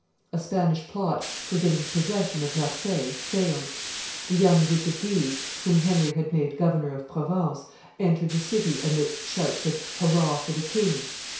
A Spanish plot for getting possession of Marseilles failed; the young Duke of Guise, whom Henry had made governor of Provence, entered the city amidst shouts of Hurrah for the king!